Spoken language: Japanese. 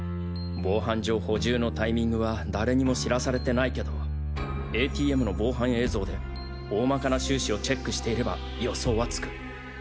防犯上補充のタイミングは誰にも知らされてないけどＡＴＭの防犯映像で大まかな収支をチェックしていれば予想はつく。